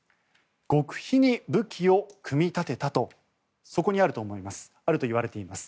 極秘に武器を組み立てたとそこにあるといわれています。